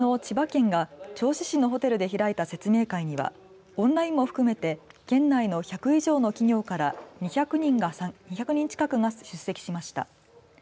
きのう、千葉県が銚子市のホテルで開いた説明会にはオンラインも含めて県内の１００以上の企業から２００人近くが出席しました。